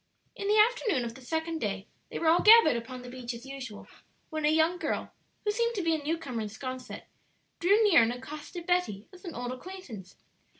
In the afternoon of the second day they were all gathered upon the beach as usual, when a young girl, who seemed to be a new comer in 'Sconset, drew near and accosted Betty as an old acquaintance.